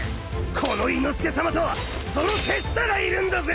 この伊之助さまとその手下がいるんだぜ！